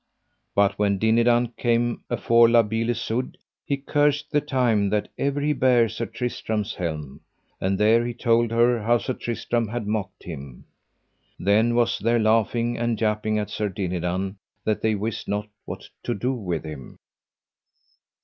But when Dinadan came afore La Beale Isoud he cursed the time that ever he bare Sir Tristram's helm, and there he told her how Sir Tristram had mocked him. Then was there laughing and japing at Sir Dinadan, that they wist not what to do with him.